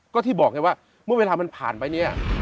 ก็ที่บอกไงว่าเมื่อเวลามันผ่านไปเนี่ย